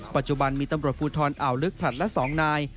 ปัจจุบันมีตำรวจภูทรอ่าวลึกผลัดละ๒นาย